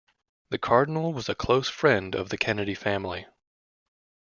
The Cardinal was a close friend of the Kennedy family.